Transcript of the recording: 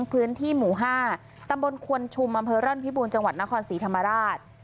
พื้นที่หมู่๕ตำบลควนชุมอำเภอร่อนพิบูรณ์จังหวัดนครศรีธรรมราช